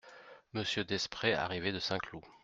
Monsieur Desprez arrivait de Saint-Cloud.